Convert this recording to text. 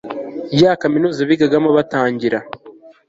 yakaminuza bigagamo batangira